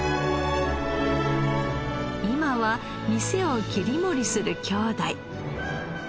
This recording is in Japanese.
今は店を切り盛りする兄弟。